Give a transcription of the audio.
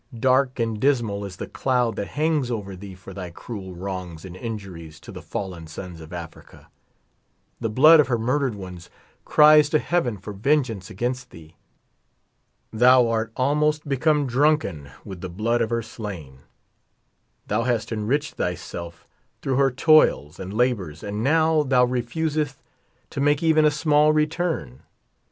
Dark and di>s mal is the cloud that hangs over thee for thy cruel wrongs and injuries to the fallen sons of Africa. The blood of her murdered ones cries to heaven for vengeance against thee. Thou art almost become drunken with the blood of her slain ; thou hast enriched thyself through her toils and labors ; and now thou refuseth to make even a small return.